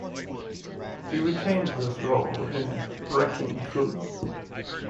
He retained this role in "Wrecking Crew".